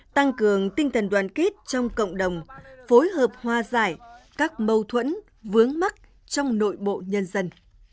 tăng cường tinh thần đoàn kết trong cộng đồng phối hợp hoa giải các mâu thuẫn vướng mắt trong nội bộ nhân dân